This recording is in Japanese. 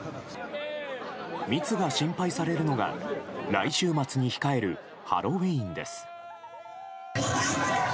密が心配されるのが来週末に控えるハロウィーンです。